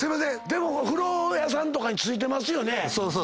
でもお風呂屋さんとかに付いてますよね？